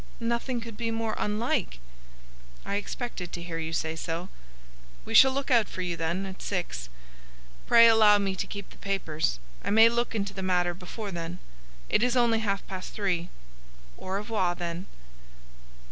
"Nothing could be more unlike." "I expected to hear you say so. We shall look out for you, then, at six. Pray allow me to keep the papers. I may look into the matter before then. It is only half past three. Au revoir, then."